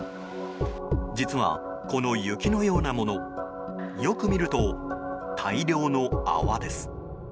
実は、この雪のようなものよく見ると大量の泡です。